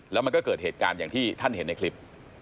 แล้วมันก็เกิดเหตุการณ์อย่างที่ท่านเห็นในคลิป